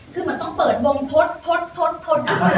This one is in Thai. คือเหมือนต้องเปิดวงทดทดทดทด